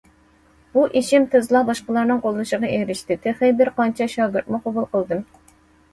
بۇ ئىشىم تېزلا باشقىلارنىڭ قوللىشىغا ئېرىشتى، تېخى بىر قانچە شاگىرتمۇ قوبۇل قىلدىم.